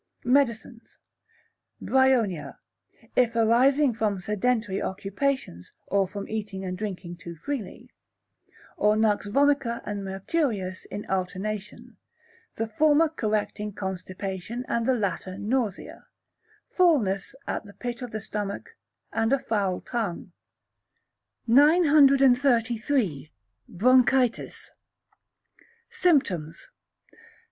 Medicines. Bryonia, if arising from sedentary occupations, or from eating and drinking too freely; or Nux vomica and Mercurius in alternation, the former correcting constipation and the latter nausea, fulness at the pit of the stomach, and a foul tongue. 933. Bronchitis. Symptoms.